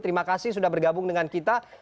terima kasih sudah bergabung dengan kita